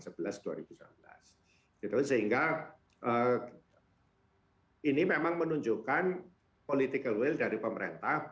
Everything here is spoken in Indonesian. sehingga ini memang menunjukkan political will dari pemerintah